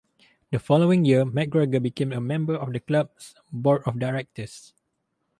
The following year McGregor became a member of the club's board of directors.